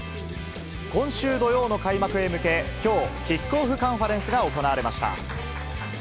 今週土曜の開幕へ向け、きょう、キックオフカンファレンスが行われました。